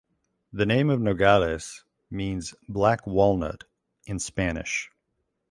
The name of Nogales means "black walnut" in Spanish.